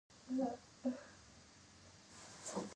د بالیووډ فلمونه په افغانستان کې لیدل کیږي.